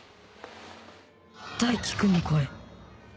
大樹君の声